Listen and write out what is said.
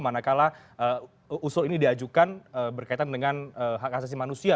manakala usul ini diajukan berkaitan dengan hak asasi manusia